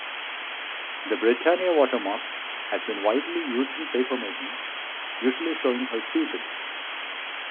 The Britannia watermark has been widely used in papermaking, usually showing her seated.